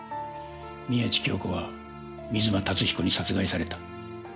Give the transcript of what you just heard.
宮地杏子は水間達彦に殺害された。